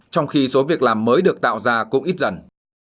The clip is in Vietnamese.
trong khi số việc làm mới được tạo ra cũng ít dần